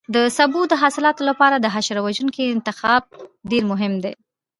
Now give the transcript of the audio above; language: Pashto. د سبو د حاصلاتو لپاره د حشره وژونکو انتخاب ډېر مهم دی.